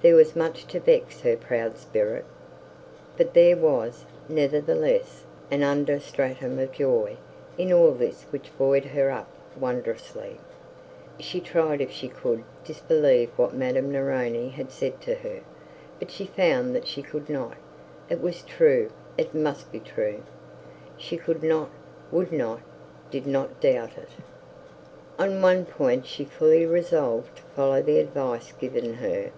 There was much to vex her proud spirit. But there was, nevertheless, an under stratum of joy in all this which buoyed her up wondrously. She tried if she could disbelieve what Madame Neroni had said to her; but she found that she could not. It was true; it must be true. She could not, would not, did not doubt it. On one point she fully resolved to follow the advice given her.